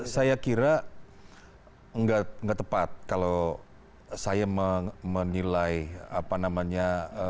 saya kira nggak tepat kalau saya menilai apa namanya